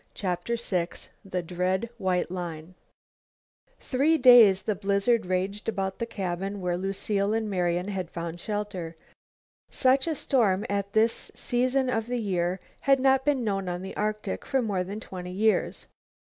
CHAPTER VI THE DREAD WHITE LINE Three days the blizzard raged about the cabin where Lucile and Marian had found shelter. Such a storm at this season of the year had not been known on the Arctic for more than twenty years.